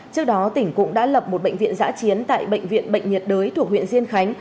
trước đó tỉnh cũng đã lập một bệnh viện giã chiến tại bệnh viện bệnh nhiệt đới thuộc huyện diên khánh